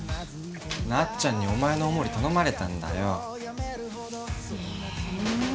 なっちゃんにお前のお守り頼まれたんだよええ